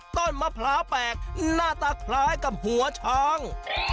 ต้นมะพร้าวแปลกหน้าตาคล้ายกับหัวช้าง